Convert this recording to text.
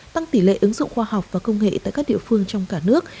tăng tỷ lệ ứng dụng khoa học và công nghệ tại các địa phương trong cả nước